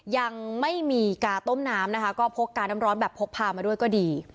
ยังไม่มีกาต้มน้ำนะคะก็พกกาน้ำร้อนแบบพกพามาด้วยก็ดี